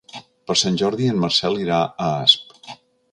Per Sant Jordi en Marcel irà a Asp.